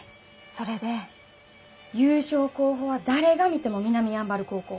それで優勝候補は誰が見ても南山原高校。